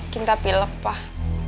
kinta pilep pak